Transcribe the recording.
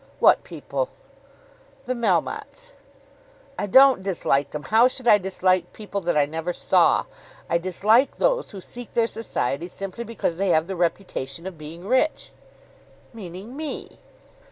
"What people?" "The Melmottes." "I don't dislike them. How should I dislike people that I never saw? I dislike those who seek their society simply because they have the reputation of being rich." "Meaning me."